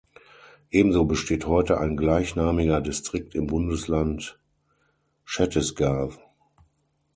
Ebenso besteht heute ein gleichnamiger Distrikt im Bundesland Chhattisgarh.